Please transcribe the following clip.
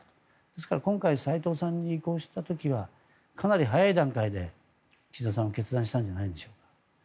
ですから、今回斎藤さんに移行した時にはかなり早い段階で岸田さんは決断したんじゃないでしょうか。